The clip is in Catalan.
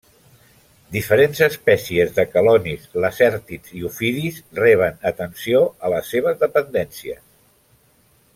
Diferents espècies de quelonis, lacèrtids i ofidis reben atenció a les seves dependències.